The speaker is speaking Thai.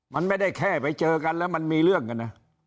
มันไม่ได้แค่ไปเจอกันแล้วมันมีเรื่องกันนะ